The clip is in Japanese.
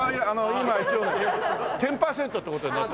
今一応１０パーセントって事になって。